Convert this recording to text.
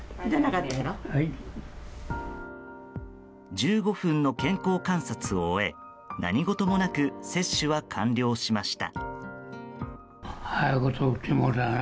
１５分の健康観察を終え何事もなく接種は完了しました。